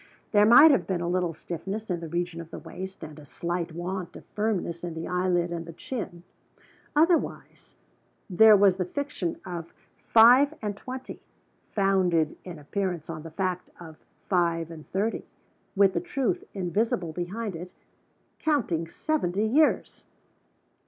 There might have been a little stiffness in the region of the waist, and a slight want of firmness in the eyelid and the chin. Otherwise there was the fiction of five and twenty, founded in appearance on the fact of five and thirty with the truth invisible behind it, counting seventy years!